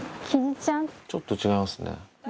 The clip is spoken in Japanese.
ちょっと違いますね。